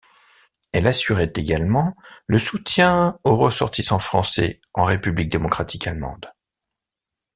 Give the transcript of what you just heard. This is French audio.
Elle assurait également le soutien aux ressortissants français en République démocratique allemande.